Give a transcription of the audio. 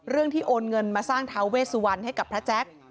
เรื่องที่โอนเงินมาสร้างทาเวทสุวรรณให้กับพระแจ๊ค